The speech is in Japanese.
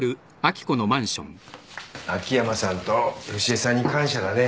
秋山さんと良恵さんに感謝だね。